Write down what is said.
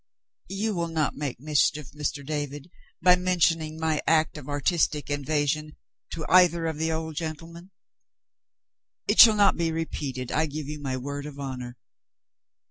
You will not make mischief, Mr. David, by mentioning my act of artistic invasion to either of the old gentlemen? It shall not be repeated I give you my word of honor.